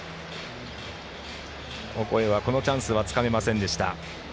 オコエはこのチャンスはつかめませんでした。